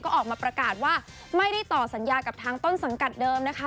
ก็ออกมาประกาศว่าไม่ได้ต่อสัญญากับทางต้นสังกัดเดิมนะคะ